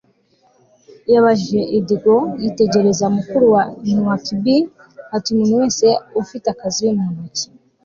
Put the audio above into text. yabajije. idigo yitegereza mukuru wa nwakibie ati umuntu wese ufite akazi mu ntoki